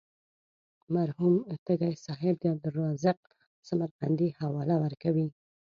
مرحوم تږی صاحب د عبدالرزاق سمرقندي حواله ورکوي.